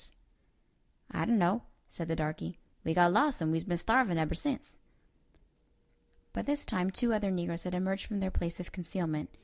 I asked. "I dun'no'," said the darky; "we got lost and we's been starvin' eber since." By this time two other negroes had emerged from their place of concealment.